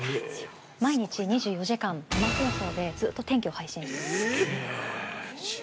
毎日２４時間、生放送で、ずっと天気を配信し続けています。